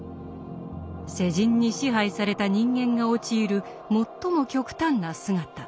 世人に支配された人間が陥る最も極端な姿。